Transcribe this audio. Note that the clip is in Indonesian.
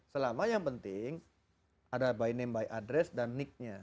selama yang penting ada by name by address dan nick nya